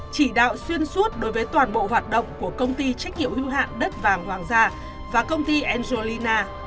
chỉ đạo xuyên suốt đối với toàn bộ hoạt động của công ty trách nhiệm hữu hạn đất vàng hoàng gia và công ty angelina